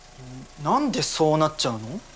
何でそうなっちゃうの？